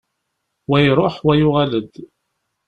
Wa iruḥ, wa yuɣal-d.